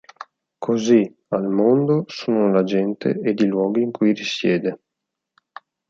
Così al mondo sono la gente ed i luoghi in cui risiede.